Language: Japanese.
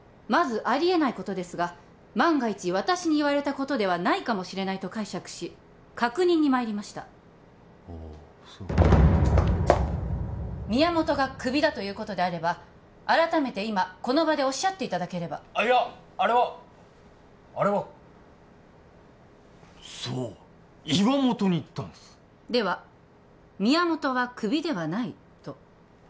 まずありえないことですが万が一私に言われたことではないかもしれないと解釈し確認にまいりましたああそ宮本がクビだということであれば改めて今この場でおっしゃっていただければいやあれはあれはそう岩本に言ったんすでは宮本はクビではないと？